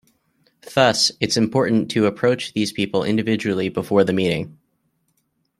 Thus, it's important to approach these people individually before the meeting.